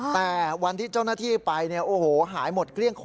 แต่วันที่เจ้าหน้าที่ไปหายหมดเกลี้ยง